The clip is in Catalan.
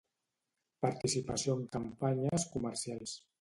Participació en campanyes comercials